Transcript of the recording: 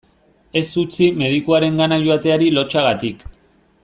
Ez utzi medikuarengana joateari lotsagatik.